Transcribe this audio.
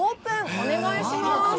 お願いします。